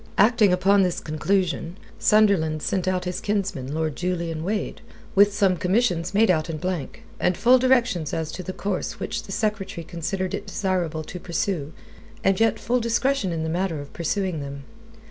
Acting upon this conclusion, Sunderland sent out his kinsman, Lord Julian Wade, with some commissions made out in blank, and full directions as to the course which the Secretary considered it desirable to pursue and yet full discretion in the matter of pursuing them.